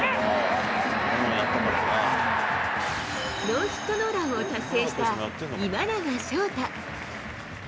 ノーヒットノーランを達成した今永昇太。